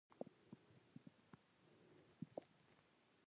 ښکې څلوريزه د ګربز له خوا